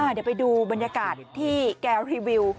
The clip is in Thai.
เดี๋ยวไปดูบรรยากาศที่แกรีวิว